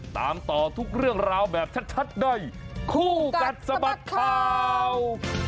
ตามต่อทุกเรื่องราวแบบชัดในคู่กัดสะบัดข่าว